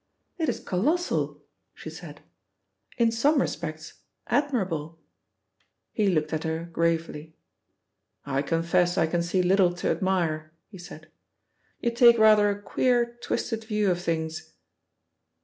"It is colossal," she said. "In some respects, admirable." He looked at her gravely. "I confess I can see little to admire," he said. "You take rather a queer, twisted view of things."